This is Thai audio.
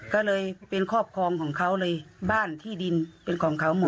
ก็เลยเป็นครอบครองของเขาเลยบ้านที่ดินเป็นของเขาหมู่